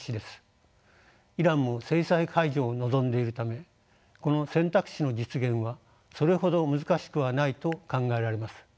イランも制裁解除を望んでいるためこの選択肢の実現はそれほど難しくはないと考えられます。